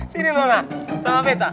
sini lora sama beto